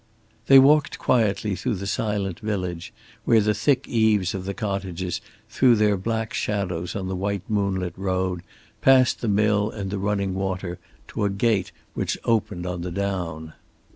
They walked quietly through the silent village where the thick eaves of the cottages threw their black shadows on the white moonlit road, past the mill and the running water, to a gate which opened on the down.